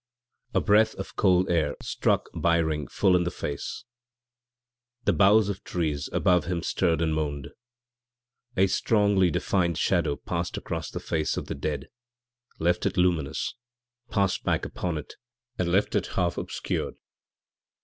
A breath of cold air struck Byring full in the face; the boughs of trees above him stirred and moaned. A strongly defined shadow passed across the face of the dead, left it luminous, passed back upon it and left it half obscured.